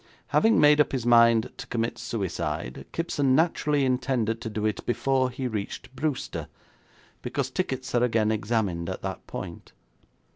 Having made up his mind to commit suicide, Kipson naturally intended to do it before he reached Brewster, because tickets are again examined at that point.